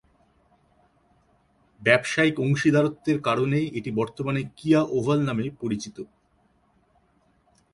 ব্যবসায়িক অংশীদারত্বের কারণে এটি বর্তমানে কিয়া ওভাল নামে পরিচিত।